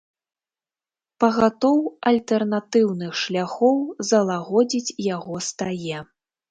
Пагатоў альтэрнатыўных шляхоў залагодзіць яго стае.